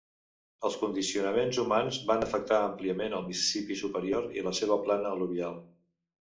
Els condicionaments humans van afectar àmpliament el Mississipí superior i la seva plana al·luvial.